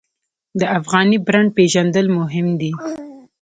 د افغاني برنډ پیژندل مهم دي